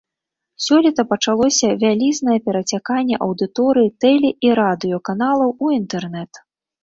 Сёлета пачалося вялізнае перацяканне аўдыторыі тэле- і радыёканалаў у інтэрнэт.